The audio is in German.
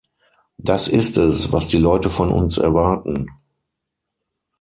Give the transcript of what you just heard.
Das ist es, was die Leute von uns erwarten.